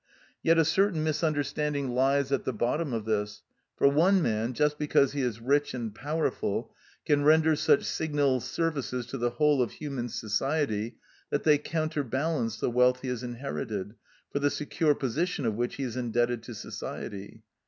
Yet a certain misunderstanding lies at the bottom of this; for one man, just because he is rich and powerful, can render such signal services to the whole of human society that they counterbalance the wealth he has inherited, for the secure possession of which he is indebted to society.